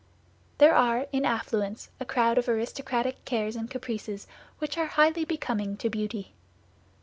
There are in affluence a crowd of aristocratic cares and caprices which are highly becoming to beauty.